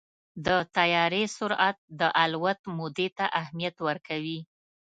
د طیارې سرعت د الوت مودې ته اهمیت ورکوي.